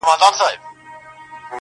هم لباس هم یې ګفتار د ملکې وو!